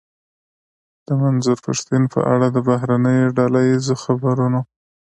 د منظور پښتين په اړه د بهرنيو ډله ايزو خپرونو.